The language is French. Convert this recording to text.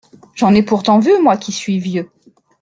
J’en ai pourtant vu, moi qui suis vieux !